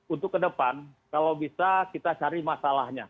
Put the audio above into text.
untuk ke depan kalau bisa kita cari masalahnya